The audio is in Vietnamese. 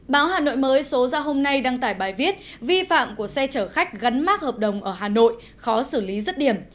báo hà nội mới số ra hôm nay đăng tải bài viết vi phạm của xe chở khách gắn mát hợp đồng ở hà nội khó xử lý rất điểm